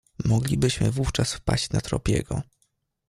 "Moglibyśmy wówczas wpaść na trop jego."